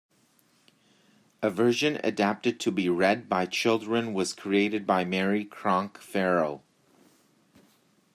A version adapted to be read by children was created by Mary Cronk Farell.